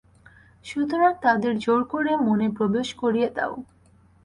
সুতরাং তাদের জোর করে মনে প্রবেশ করিয়ে দাও।